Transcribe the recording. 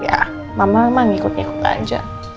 ya mama emang ikut ikut aja